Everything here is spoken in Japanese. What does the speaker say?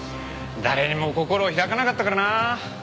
誰にも心を開かなかったからな。